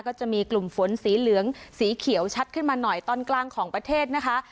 ก็จะมีกลุ่มฝนสีเหลืองสีเขียวชัดขึ้นมาหน่อยตอนกลางของประเทศนะคะ